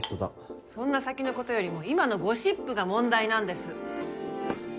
そんな先のことよりも今のゴシップが問題なんです！